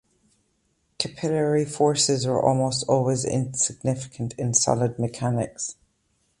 Capillary forces are almost always insignificant in solid mechanics.